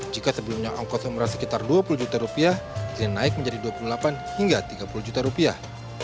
jika sebelumnya ongkos umrah sekitar dua puluh juta rupiah zain naik menjadi dua puluh delapan hingga tiga puluh juta rupiah